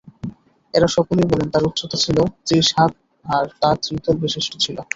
এরা সকলেই বলেন, তার উচ্চতা ছিল ত্রিশ হাত আর তা ত্রিতল বিশিষ্ট ছিল।